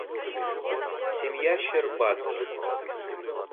Семья Щербацких.